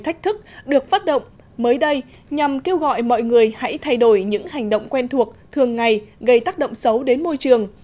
thách thức được phát động mới đây nhằm kêu gọi mọi người hãy thay đổi những hành động quen thuộc thường ngày gây tác động xấu đến môi trường